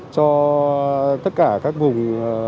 cho tất cả các vùng